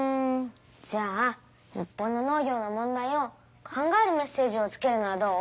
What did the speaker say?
じゃあ日本の農業の問題を考えるメッセージをつけるのはどう？